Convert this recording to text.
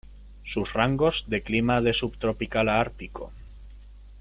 Sus rangos de clima de subtropical a ártico.